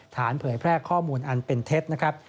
เผยแพร่ข้อมูลอันเป็นเท็จนะครับ